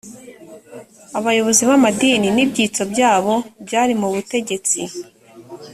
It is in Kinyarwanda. abayobozi b ‘amadini n ‘ibyitso byabo byari mu butegetsi.